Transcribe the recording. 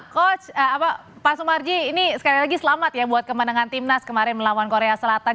coach pak sumarji ini sekali lagi selamat ya buat kemenangan timnas kemarin melawan korea selatan